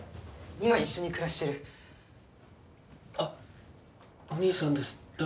今一緒に暮らしてるあっおにいさんです誰？